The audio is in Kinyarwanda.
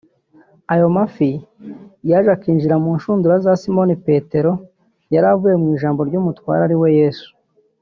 Ayo mafi yaje akinjira mu nshundura za Simoni Petero yari avuye mu ijambo ry’Umutware ari we Yesu